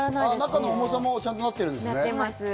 中の重さもちゃんとなってるんですね。